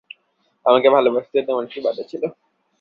আমাকে ভালোবাসিতে তোমার কী বাধা ছিল।